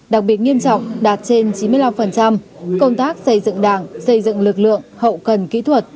đặc biệt nghiêm trọng đạt trên chín mươi năm công tác xây dựng đảng xây dựng lực lượng hậu cần kỹ thuật